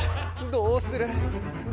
どうする？